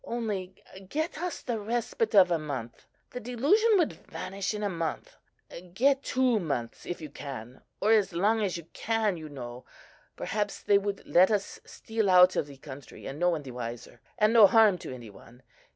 Only get us the respite of a month; the delusion would vanish in a month. Get two months, if you can; or as long as you can, you know. Perhaps they would let us steal out of the country, and no one the wiser; and no harm to any one.